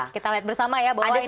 kita lihat bersama ya